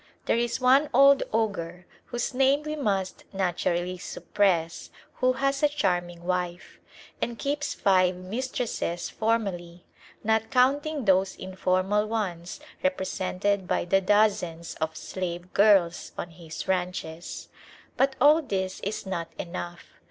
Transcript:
There is one old ogre, whose name we must naturally suppress, who has a charming wife; and keeps five mistresses formally, not counting those informal ones represented by the dozens of slave girls on his ranches. But all this is not enough.